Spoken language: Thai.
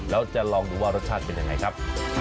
แล้วจะลองดูว่ารสชาติเป็นยังไงครับ